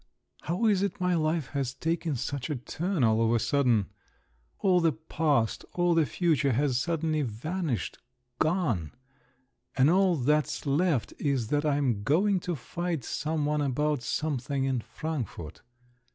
How is it my life has taken such a turn all of a sudden? All the past, all the future has suddenly vanished, gone,—and all that's left is that I am going to fight some one about something in Frankfort."